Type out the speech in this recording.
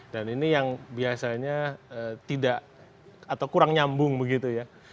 dan ini yang biasanya tidak atau kurang nyambung begitu ya